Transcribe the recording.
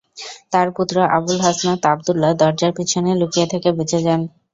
তার পুত্র আবুল হাসনাত আবদুল্লাহ দরজার পিছনে লুকিয়ে থেকে বেঁচে যান।